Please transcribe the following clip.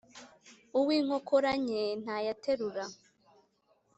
Uw' inkokora nke ntayaterura.